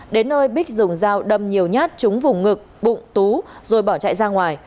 đến nơi bích dùng dao đâm nhiều nhát trúng vùng ngực bụng tú rồi bỏ chạy ra ngoài